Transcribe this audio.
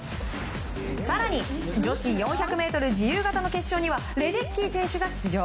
更に女子４００ｍ自由形の決勝にはレデッキー選手選手が出場。